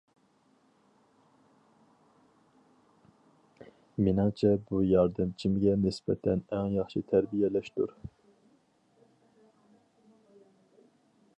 مېنىڭچە بۇ ياردەمچىمگە نىسبەتەن ئەڭ ياخشى تەربىيەلەشتۇر.